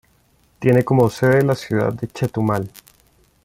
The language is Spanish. Tiene como sede la ciudad de Chetumal.